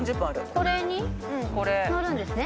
これに乗るんですね。